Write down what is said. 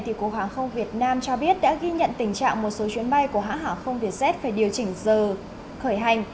cục hàng không việt nam cho biết đã ghi nhận tình trạng một số chuyến bay của hãng hàng không vietjet phải điều chỉnh giờ khởi hành